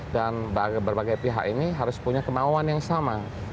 dan berbagai pihak ini harus punya kemauan yang sama